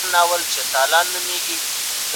ایا تاسو د وټساپ امنیت چک کړی دی؟